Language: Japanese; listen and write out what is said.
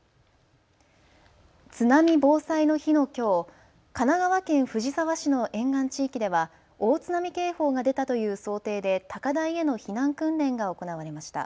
津波防災の日のきょう、神奈川県藤沢市の沿岸地域では大津波警報が出たという想定で高台への避難訓練が行われました。